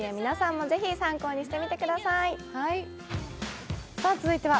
皆さんもぜひ参考にしてみてください。